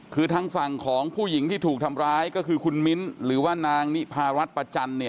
คือทางฝั่งของผู้หญิงที่ถูกทำร้ายก็คือคุณมิ้นหรือว่านางนิพารัฐประจันทร์เนี่ย